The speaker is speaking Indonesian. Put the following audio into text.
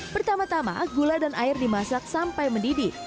pertama tama gula dan air dimasak sampai mendidih